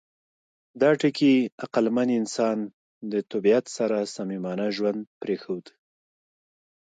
دا ټکي عقلمن انسان د طبیعت سره صمیمانه ژوند پرېښود.